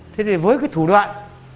thế thì với cái thủ đoạn